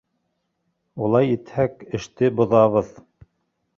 Улай итһәк, эште боҙабыҙ.